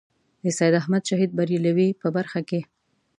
د سید احمد شهید برېلوي په برخه کې.